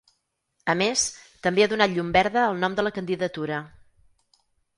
A més, també ha donat llum verda al nom de la candidatura.